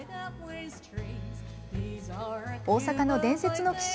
大阪の伝説の棋士